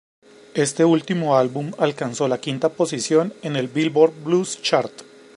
Este último álbum alcanzó la quinta posición en el Billboard Blues Chart.